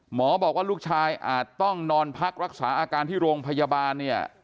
บอกว่าลูกชายอาจต้องนอนพักรักษาอาการที่โรงพยาบาลเนี่ย